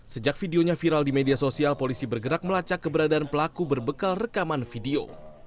sejak videonya viral di media sosial polisi bergerak melacak keberadaan pelaku berbekal rekaman video